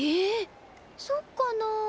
そっかな？